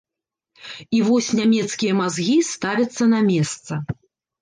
І вось нямецкія мазгі ставяцца на месца.